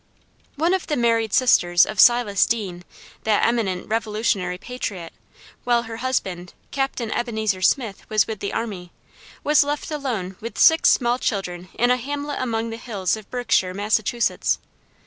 One of the married sisters of Silas Deane, that eminent Revolutionary patriot, while her husband, Captain Ebenezer Smith, was with the army, was left alone with six small children in a hamlet among the hills of Berkshire, Massachusetts.